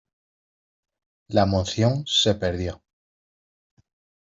La moción se perdió.